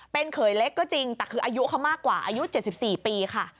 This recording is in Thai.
เป็นเขยเล็กก็จริงแต่คืออายุเขามากกว่าอายุ๗๔ปีค่ะ